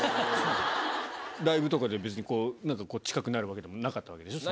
ライブとかで別に、なんか近くなるわけではなかったわけでしょ？